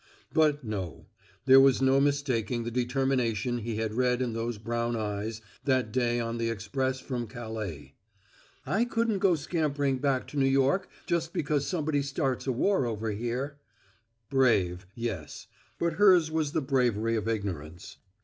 But, no; there was no mistaking the determination he had read in those brown eyes that day on the express from Calais. "I couldn't go scampering back to New York just because somebody starts a war over here." Brave, yes; but hers was the bravery of ignorance.